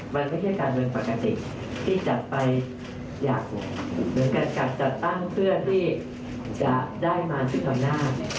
มันไม่ใช่การเมืองปกติที่จะไปอยากเหมือนกับจัดตั้งเพื่อที่จะได้มาซึ่งตอนหน้า